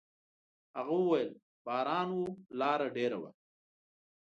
هغه وويل: «باران و، لاره ډېره وه.»